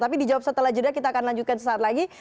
tapi dijawab setelah jeda kita akan lanjutkan sesaat lagi